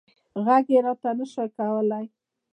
غږ یې راته نه شو کولی.